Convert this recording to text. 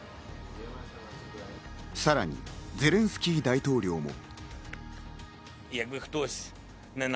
さらにゼレンスキー大統領も。